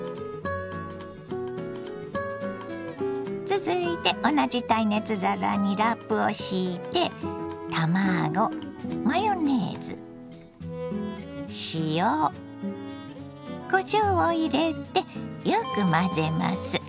続いて同じ耐熱皿にラップを敷いて卵マヨネーズ塩こしょうを入れてよく混ぜます。